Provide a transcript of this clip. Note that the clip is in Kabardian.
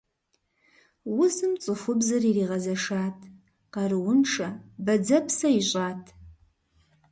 Узым цӏыхубзыр иригъэзэшат, къарууншэ, бадзэпсэ ищӏат.